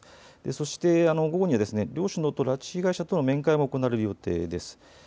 そして午後には両首脳と拉致被害者との面会も行われる予定です。